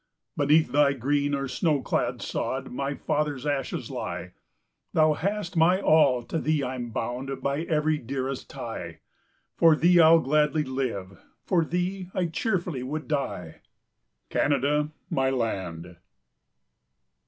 Beneath thy green or snow clad sod My fathers' ashes lie; Thou hast my all, to thee I'm bound By every dearest tie; For thee I'll gladly live, for thee I cheerfully would die, Canada, my land.